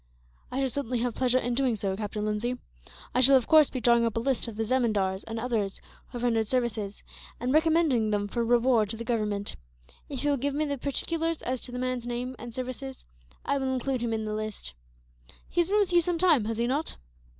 "I should certainly have pleasure in doing so, Captain Lindsay. I shall, of course, be drawing up a list of the zemindars and others who have rendered service, and recommending them for reward to the Government. If you will give me the particulars as to the man's name and services I will include him in the list. He has been with you some time, has he not?"